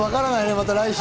また来週。